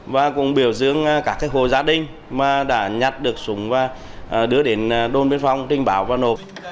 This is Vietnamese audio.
và cũng biểu dưỡng cả các hồ gia đình mà đã nhặt được súng và đưa đến đôn biên phòng trinh báo và nộp